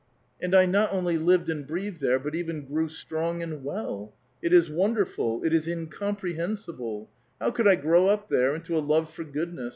And Ifii A VITAL QUESTION. I not only lived and breathed there, but even grew strong and well ! It is wonderful ! it is incoruprebensible ! How could 1 grow up there into a love for goodness